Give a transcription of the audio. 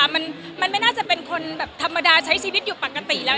มันไม่น่าจะเป็นคนแบบธรรมดาใช้ชีวิตอยู่ปกติแล้ว